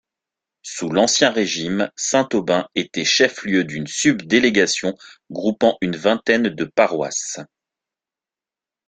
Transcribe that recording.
Sous l’Ancien Régime, Saint-Aubin était chef-lieu d'une sub-délégation, groupant une vingtaine de paroisses.